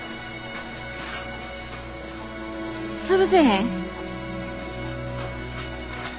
潰せへん。